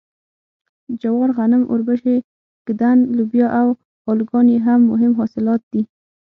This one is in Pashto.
جوار غنم اوربشې ږدن لوبیا او الوګان یې مهم حاصلات دي.